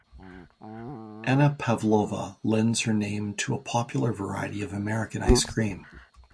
Anna Pavlova lends her name to a popular variety of American ice-cream.